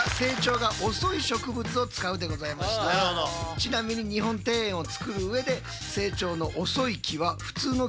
ちなみに日本庭園をつくる上でそうなんだ。